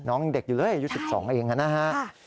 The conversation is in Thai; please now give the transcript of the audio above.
น้องเด็กอยู่เลยยุทธ์๑๒เองนะฮะ